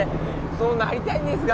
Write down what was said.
そうなりたいんですが。